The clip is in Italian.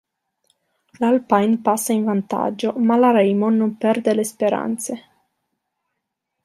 L'Alpine passa in vantaggio, ma la Raimon non perde le speranze.